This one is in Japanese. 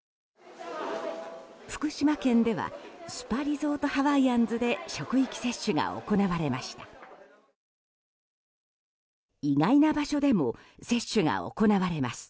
福島県ではスパリゾートハワイアンズで職域接種が行われました。